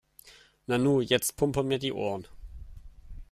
Nanu, jetzt pumpern mir die Ohren.